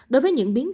đối với những biến thể